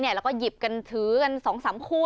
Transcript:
แล้วก็หยิบกันถือกัน๒๓คู่